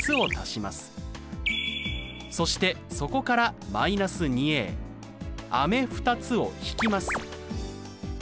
そしてそこから−２飴２つを引きます。